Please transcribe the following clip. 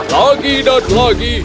lagi dan lagi